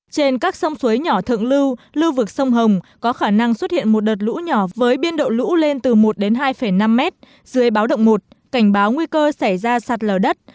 trên các sông suối nhỏ thượng lưu lưu vực sông hồng có khả năng xuất hiện một đợt lũ nhỏ với biên độ lũ lên từ một đến hai năm m dưới báo động một cảnh báo nguy cơ xảy ra sạt lở đất